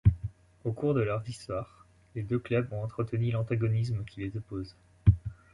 Au cours de leur histoire, les deux clubs ont entretenu l'antagonisme qui les oppose.